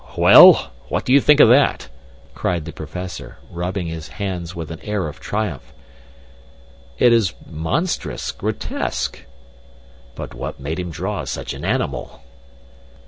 "Well, what do you think of that?" cried the Professor, rubbing his hands with an air of triumph. "It is monstrous grotesque." "But what made him draw such an animal?"